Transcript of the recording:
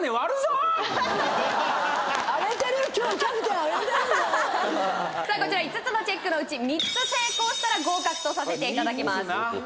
もうさあこちら５つのチェックのうち３つ成功したら合格とさせていただきます